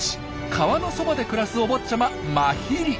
川のそばで暮らすお坊ちゃまマヒリ。